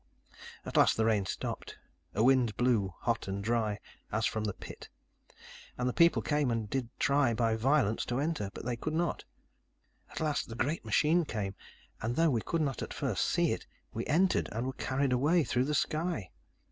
"At last the rain stopped. A wind blew hot and dry, as from the pit and the people came and did try by violence to enter. But they could not. At last, the great machine came, and though we could not at first see it, we entered and were carried away through the sky.